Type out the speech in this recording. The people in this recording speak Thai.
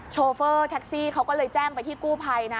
โชเฟอร์แท็กซี่เขาก็เลยแจ้งไปที่กู้ภัยนะ